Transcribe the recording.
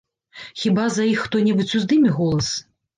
Хіба за іх хто-небудзь уздыме голас?